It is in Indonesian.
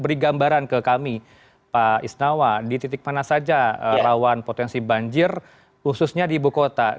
beri gambaran ke kami pak isnawa di titik mana saja rawan potensi banjir khususnya di ibu kota